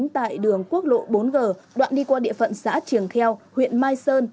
tại đường quốc lộ bốn g đoạn đi qua địa phận xã triềng kheo huyện mai sơn